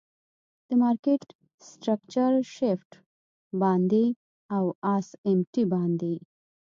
د مارکیټ سټرکچر شفټ باندی او آس آم ټی باندی.